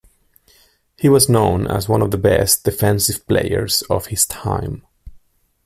He was known as one of the best defensive players of his time.